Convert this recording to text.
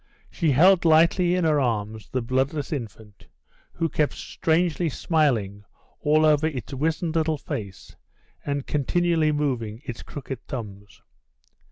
She held lightly in her arms the bloodless infant, who kept strangely smiling all over its wizened little face, and continually moving its crooked thumbs.